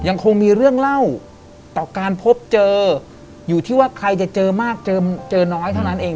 ยังคงมีเรื่องเล่าต่อการพบเจออยู่ที่ว่าใครจะเจอมากเจอน้อยเท่านั้นเอง